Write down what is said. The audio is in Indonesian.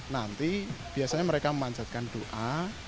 nanti biasanya mereka memanjatkan doa